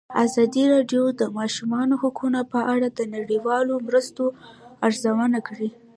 ازادي راډیو د د ماشومانو حقونه په اړه د نړیوالو مرستو ارزونه کړې.